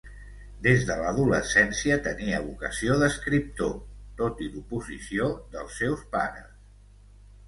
Des de l'adolescència tenia vocació d'escriptor, tot i l'oposició dels seus pares.